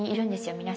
皆さん。